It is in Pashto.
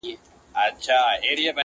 پیرمحمد په ملغلرو بار کاروان دی,